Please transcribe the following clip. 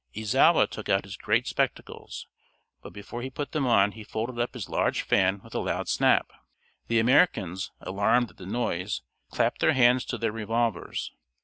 Izawa took out his great spectacles, but before he put them on he folded up his large fan with a loud snap. The Americans, alarmed at the noise, clapped their hands to their revolvers.